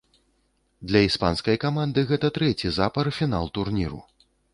Для іспанскай каманды гэта трэці запар фінал турніру.